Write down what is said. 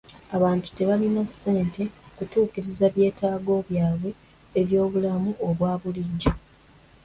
Abantu tebalina ssente kutuukiriza byetaago byabwe eby'obulamu obwa bulijjo.